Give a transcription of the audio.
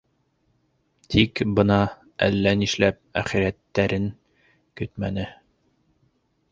Тик бына әллә нишләп әхирәттәрен көтмәне.